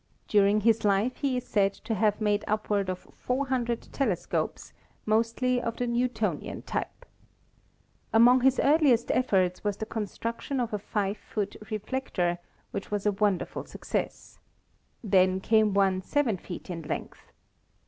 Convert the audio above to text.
During his life he is said to have made upward of 400 telescopes, mostly of the New tonian type. Among his earliest efforts was the construc tion of a 5 foot reflector, which was a wonderful success. Then came one 7 feet in length.